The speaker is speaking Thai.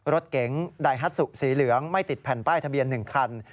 รถเก๋งไดฮัสสุสีเหลืองไม่ติดแผ่นป้ายทะเบียน๑คัน